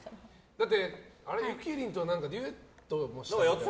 だって、ゆきりんとはデュエットもしたよって。